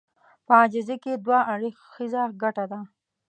په عاجزي کې دوه اړخيزه ګټه ده.